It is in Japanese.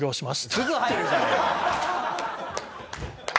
すぐ入るじゃん！